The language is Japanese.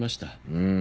うん。